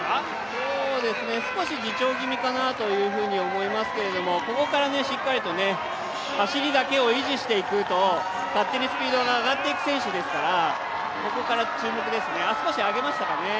そうですね、少し自重気味かなと思いますけどここからしっかりと走りだけを維持していくと勝手にスピードが上がっていく選手ですからここから注目ですね少し上げましたかね。